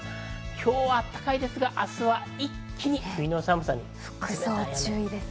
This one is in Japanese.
今日は暖かいですが明日は一気に冬の寒さになります。